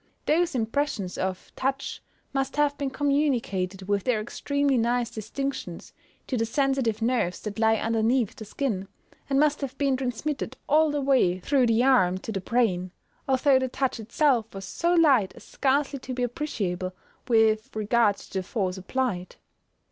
Those impressions of touch must have been communicated, with their extremely nice distinctions, to the sensitive nerves that lie underneath the skin, and must have been transmitted all the way through the arm to the brain, although the touch itself was so light as scarcely to be appreciable with regard to the force applied.